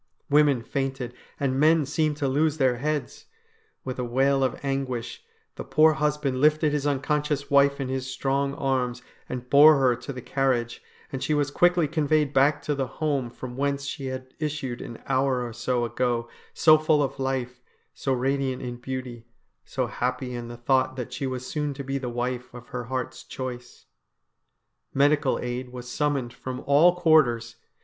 Women fainted, and men seemed to lose their heads. With a wail of anguish, the poor husband lifted his uncon scious wife in his strong arms, and bore her to the carriage, and she was quickly conveyed back to the home from whence she had issued an hour or so ago so full of life, so radiant in beauty, so happy in the thought that she was soon to be the wife of her heart's choice. Medical aid was summoned from all quarters.